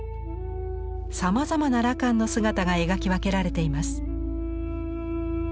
さまざまな羅漢の姿が描き分けられています。